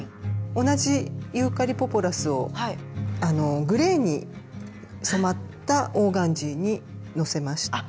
同じユーカリ・ポポラスをグレーに染まったオーガンジーにのせました。